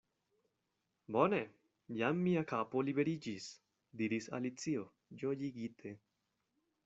"Bone! Jam mia kapo liberiĝis," diris Alicio, ĝojigite.